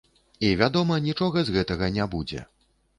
І, вядома, нічога з гэтага не будзе.